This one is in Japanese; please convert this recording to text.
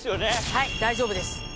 はい大丈夫です。